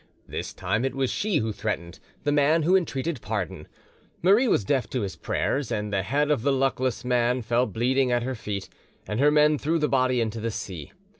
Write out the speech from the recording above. This time it was she who threatened, the man who entreated pardon. Marie was deaf to his prayers, and the head of the luckless man fell bleeding at her feet, and her men threw the body into the sea.